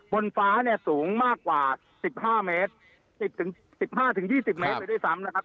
บนฟ้าเนี่ยสูงมากกว่าสิบห้าเมตรสิบถึงสิบห้าถึงยี่สิบเมตรไปด้วยซ้ำนะครับ